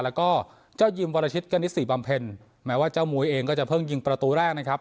แล้วก็เจ้ายิมวรชิตกณิสิบำเพ็ญแม้ว่าเจ้ามุ้ยเองก็จะเพิ่งยิงประตูแรกนะครับ